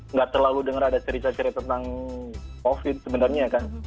nggak terlalu dengar ada cerita cerita tentang covid sebenarnya kan